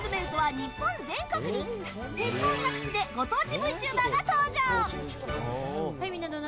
日本各地でご当地ＶＴｕｂｅｒが登場！